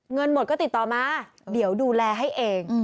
เงินหมดก็ติดต่อมาเดี๋ยวดูแลให้เอง